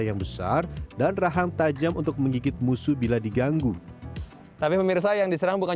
yang besar dan rahang tajam untuk menggigit musuh bila diganggu tapi pemirsa yang diserang bukan